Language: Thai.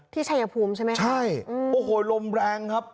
ที่ชัยภูมิใช่ไหมครับใช่อืมโอ้โหลมแรงครับ